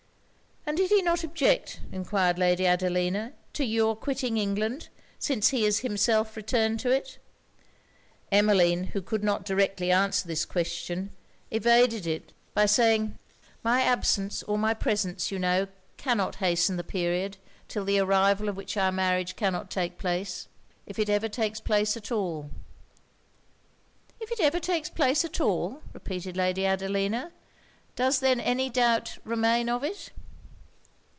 'And did he not object,' enquired Lady Adelina, 'to your quitting England, since he is himself returned to it?' Emmeline, who could not directly answer this question, evaded it by saying 'My absence or my presence you know cannot hasten the period, 'till the arrival of which our marriage cannot take place if it ever takes place at all.' 'If it ever takes place at all?' repeated Lady Adelina 'Does then any doubt remain of it?'